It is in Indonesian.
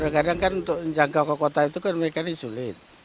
udah kadang kan untuk jangkau ke kota itu kan mereka nih sulit